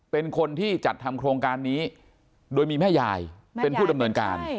เป็นคนที่จัดทำโครงการนี้โดยมีแม่ยายเป็นผู้ดำเนินการ